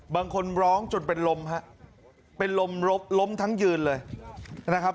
บางคนร้องจนเป็นลมฮะเป็นลมล้มทั้งยืนเลยนะครับ